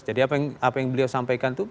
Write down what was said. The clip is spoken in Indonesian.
jadi apa yang beliau sampaikan itu